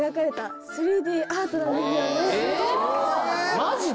マジで？